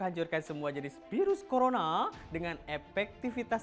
hancurkan semua jenis virus corona dengan efektivitas